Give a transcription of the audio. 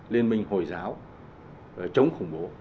liên minh hồi giáo chống khủng bố